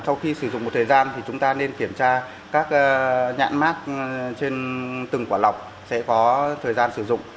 sau khi sử dụng một thời gian thì chúng ta nên kiểm tra các nhãn mát trên từng quả lọc sẽ có thời gian sử dụng